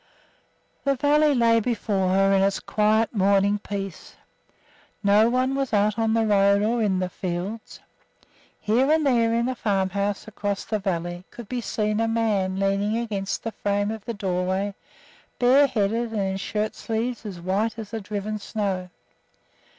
The valley lay before her in its quiet Sunday morning peace. No one was out on the road or in the fields. Here and there in the farmhouses across the valley could be seen a man leaning against the frame of the doorway, bareheaded, and in shirt sleeves as white as the driven snow.